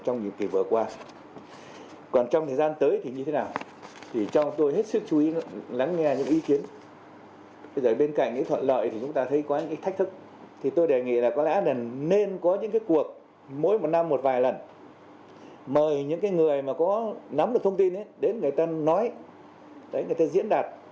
thông tin đến người ta nói người ta diễn đạt